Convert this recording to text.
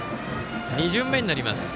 ２巡目になります。